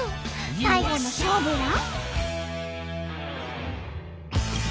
最後の勝負は？